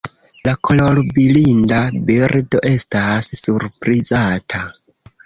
La kolorblinda birdo estas surprizata.